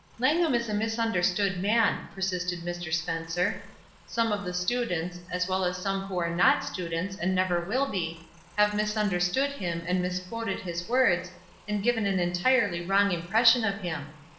"Langham is a misunderstood man," per sisted Mr. Spencer. "Some of the students, as well as some who are not students, and never will be, have misunderstood him and misquoted his words, and given an entirely wrong impression of him.